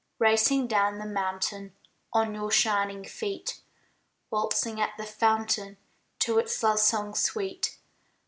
Racing down the mountain On your shining feet, Waltzing at the fountain To its love song sweet.